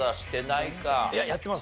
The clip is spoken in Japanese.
いややってます。